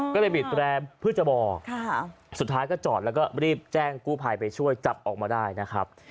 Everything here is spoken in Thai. ก็เลยบีดแรมเพื่อจะบอกสุดท้ายก็จอดแล้วก็รีบแจ้งกู้ภัยไปช่วยจับออกมาได้นะครับ